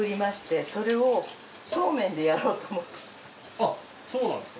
あっそうなんですか。